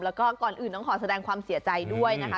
แล้วก็ก่อนอื่นต้องขอแสดงความเสียใจด้วยนะคะ